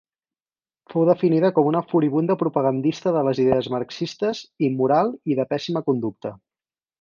Fou definida com una furibunda propagandista de les idees marxistes, immoral i de pèssima conducta.